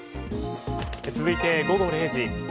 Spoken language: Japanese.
続いて午後０時。